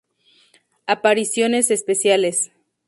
Apariciones especiales